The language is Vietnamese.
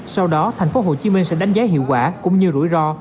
sau đó thành phố hồ chí minh sẽ đánh giá hiệu quả cũng như rủi ro